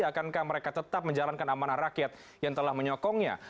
akankah mereka tetap menjalankan amanah rakyat yang telah menyokongnya